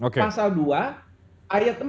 yang dipakai itu adalah ya kan